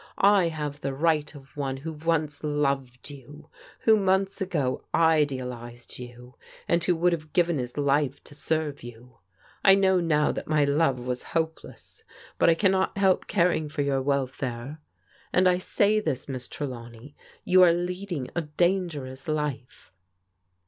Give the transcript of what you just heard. I have the right of one who once loved you, who, months ago, idealized you, and who would have given his life to serve you. I know now that my love was hopeless, but I cannot help caring for your welfare. And I say this, Miss Trelawney, you are lead ing a dangerous life."